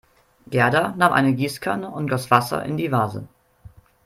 Gerda nahm eine Gießkanne und goss Wasser in die Vase.